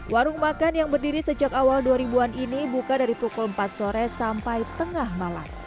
warung makan yang berdiri sejak awal dua ribu an ini buka dari pukul empat sore sampai tengah malam